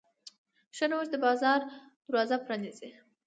ښه نوښت د بازار دروازه پرانیزي.